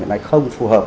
hiện nay không phù hợp